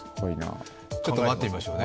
ちょっと待ってみましょうね。